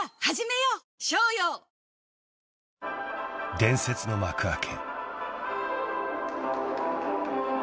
［伝説の幕開け］